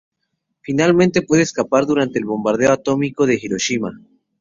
Finalmente, puede escapar durante el bombardeo atómico de Hiroshima.